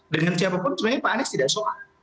dengan siapapun sebenarnya pak anies tidak soal